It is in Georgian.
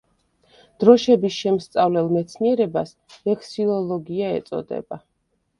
დროშების შემსწავლელ მეცნიერებას ვექსილოლოგია ეწოდება.